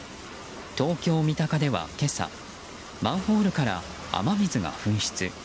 東京・三鷹では今朝マンホールから雨水が噴出。